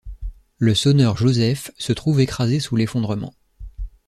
Le sonneur Joseph se trouve écrasé sous l'effondrement.